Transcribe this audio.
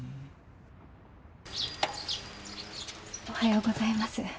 おはようございます。